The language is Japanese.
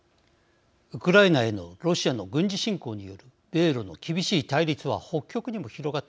ウクライナへのロシアの軍事侵攻による米ロの厳しい対立は北極にも広がっています。